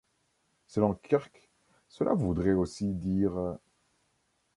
Selon Kirk, cela voudrait aussi dire .